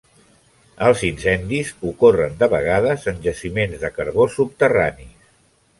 Els incendis ocorren de vegades en jaciments de carbó subterranis.